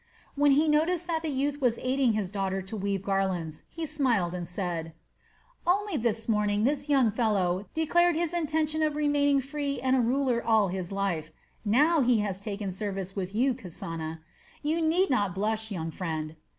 When he noticed that the youth was aiding his daughter to weave the garlands, he smiled, and said: "Only this morning this young fellow declared his intention of remaining free and a ruler all his life. Now he has taken service with you, Kasana. You need not blush, young friend.